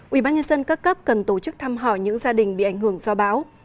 ubnd các cấp cần tổ chức thăm hỏi những gia đình bị ảnh hưởng do bão